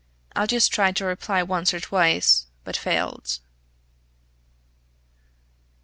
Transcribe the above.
Aldous tried to reply once or twice, but failed.